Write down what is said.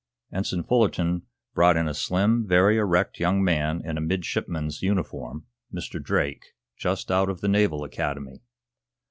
Ensign Fullerton brought in a slim, very erect young man in a midshipman's uniform Mr. Drake, just out of the Naval Academy.